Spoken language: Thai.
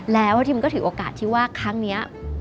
แล้วทีมก็ถือโอกาสที่ว่าครั้งนี้